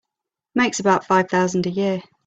Makes about five thousand a year.